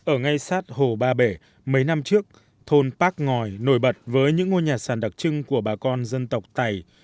ở ngay sát hồ ba bể mấy năm trước thôn bác ngòi nổi bật với những ngôi nhà sàn đặc trưng của bà con dân tộc tày